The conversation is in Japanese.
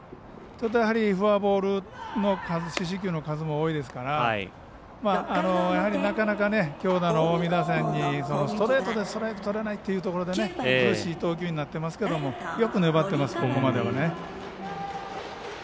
フォアボールの数四死球の数が多いですからやはり、なかなか強打の近江打線にストレートでストライクとれないというところが苦しい投球になっていますがよく粘っています、ここまでは。